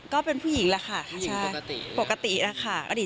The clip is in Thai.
ก็เป็นผู้หญิงแหละค่ะใช่ผู้หญิงปกตินะคะ